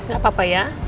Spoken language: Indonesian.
gak apa apa ya